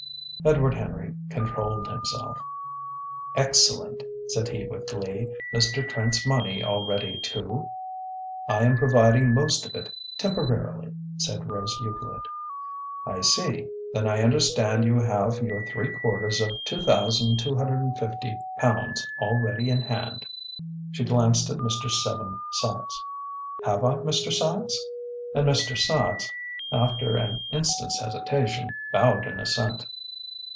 Edward Henry controlled himself. "Excellent!" said he with glee. "Mr. Trent's money all ready too?" "I am providing most of it temporarily," said Rose Euclid. "I see. Then I understand you have your three quarters of £2,250 all ready in hand." She glanced at Mr. Seven Sachs. "Have I, Mr. Sachs?" And Mr. Sachs, after an instant's hesitation, bowed in assent.